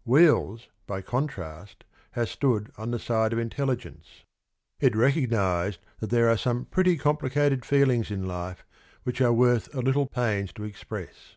' Wheels,' by contrast, has stood on the side of intelligence. 93 It recognised that there are some pretty complicated feelings in life which are worth a little pains to express.